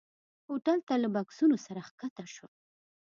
هوټل ته له بکسونو سره ښکته شول.